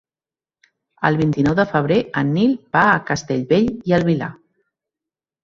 El vint-i-nou de febrer en Nil va a Castellbell i el Vilar.